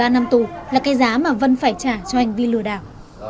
một mươi ba năm tù là cái giá mà vân phải trả cho hành vi lừa đảo